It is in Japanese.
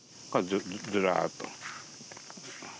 ずらっと。